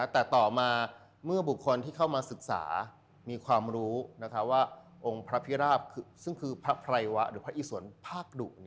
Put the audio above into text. แต่ต่อมาเมื่อบุคคลที่เข้ามาศึกษามีความรู้ว่าองค์พระพิราบซึ่งคือพระไพรวะหรือพระอิสวนภาคดุ